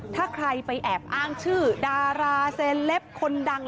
ถ้าใครไปแอบอ้างชื่อดาราเซลปคนดัง